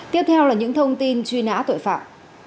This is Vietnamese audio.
tiếp theo là những thông tin truy nã tội phạm